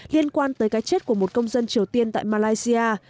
liên quan tới cái chết của một công dân triều tiên tại malaysia